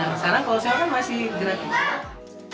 nah sekarang kalau sewa kan masih gratis